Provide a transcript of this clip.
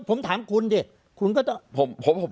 ผมถามคุณดิคุณก็ต้อง